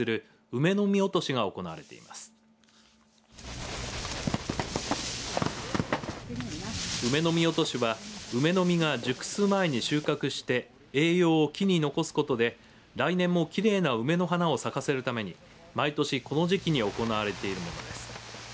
梅の実落としは梅の実が熟す前に収穫して栄養を木に残すことで来年もきれいな梅の花を咲かせるために毎年この時期に行われているものです。